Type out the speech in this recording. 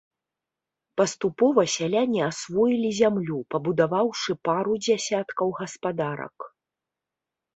Паступова, сяляне асвоілі зямлю, пабудаваўшы пару дзясяткаў гаспадарак.